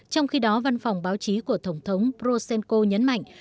trong khi đó văn phòng báo chí của tổng thống prosenco nhấn mạnh